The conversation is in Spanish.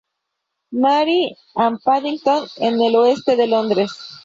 Mary's en Paddington, en el Oeste de Londres.